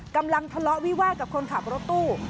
กำลังทะเลาะวิวาสกับคนขับรถตู้